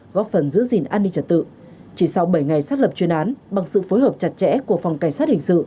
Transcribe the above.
góp phần giữ gìn an ninh trật tự chỉ sau bảy ngày xác lập chuyên án bằng sự phối hợp chặt chẽ của phòng cảnh sát hình sự